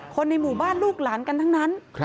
คนในหมู่บ้านลูกหลานกันทั้งนั้น